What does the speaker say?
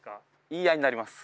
言い合いになります。